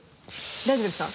大丈夫ですか？